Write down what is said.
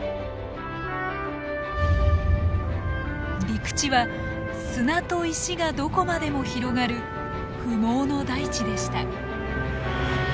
陸地は砂と石がどこまでも広がる不毛の大地でした。